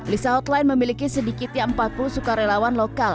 lisa hotline memiliki sedikit yang empat puluh sukarelawan lokal